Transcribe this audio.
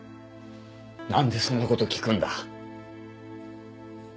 なんでそんな事を聞くんだ？